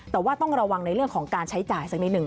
แต่ว่าต้องระวังในเรื่องของการใช้จ่ายสักนิดหนึ่ง